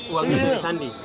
uangnya dari sandi